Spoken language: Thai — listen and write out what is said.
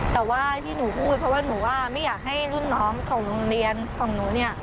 แต่ว่าที่หนูพูดเพราะว่าหนูว่าไม่อยากให้รุ่นน้องของโรงเรียนของหนูเนี่ย